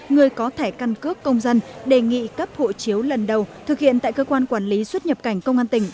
người có thẻ căn cước công dân đề nghị cấp hộ chiếu lần đầu thực hiện tại cơ quan quản lý xuất nhập cảnh công an tỉnh